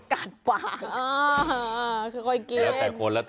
กาดปลาง